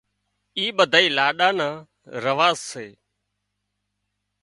اِي ٻڌائي لاڏا نا رواز سي